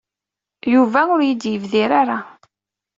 Yuba ur iyi-d-yebdir aya.